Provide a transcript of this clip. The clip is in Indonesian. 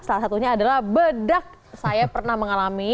salah satunya adalah bedak saya pernah mengalami